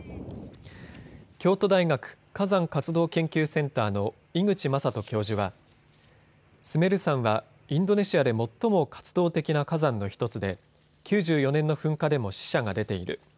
京都大学火山活動研究センターの井口正人教授は、スメル山はインドネシアで最も活動的な火山の１つで９４年の噴火でも死者が出ている。